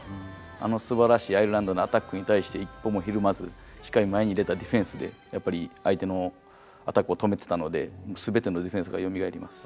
あのすばらしいアイルランドのアタックに対して一歩もひるまずしっかり前に出たディフェンスでやっぱり相手のアタックを止めてたので全てのディフェンスがよみがえります。